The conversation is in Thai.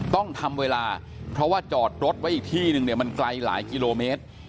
ต้องทำเวลาเพราะว่าจอดรถไว้อีกที่นึงเนี่ยมันไกลหลายกิโลเมตร